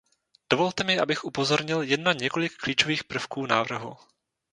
Dovolte mi, abych upozornil jen na několik klíčových prvků návrhu.